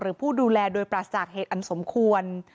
หรือผู้ดูแลโดยปลาศักดิ์เหตุอันสมควร